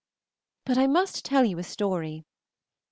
But I must tell you a story.